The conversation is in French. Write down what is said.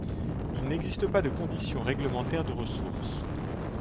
Il n'existe pas de conditions réglementaires de ressources.